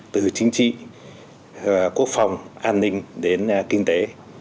từ chính trị quốc phòng an ninh đến kinh tế